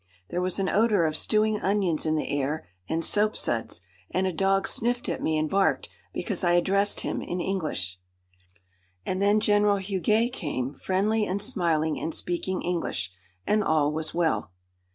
There was an odour of stewing onions in the air, and soapsuds, and a dog sniffed at me and barked because I addressed him in English. And then General Huguet came, friendly and smiling, and speaking English. And all was well.